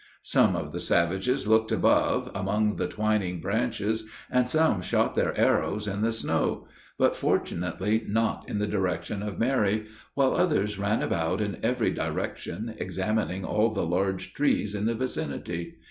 Some of the savages looked above, among the twining branches, and some shot their arrows in the snow, but fortunately not in the direction of Mary while others ran about in every direction, examining all the large trees in the vicinity.